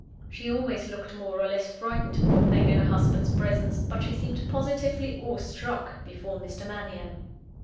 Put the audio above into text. She always looked more or less frightened, poor thing, in her husband's presence; but she seemed positively awe struck before Mr. Mannion.